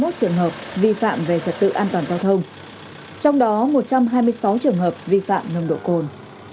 bốn trăm ba mươi một trường hợp vi phạm về trật tự an toàn giao thông trong đó một trăm hai mươi sáu trường hợp vi phạm nông độ cồn